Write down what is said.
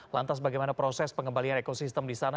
lantas bagaimana proses pengembalian ekosistem di sana